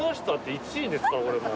１位ですから俺も。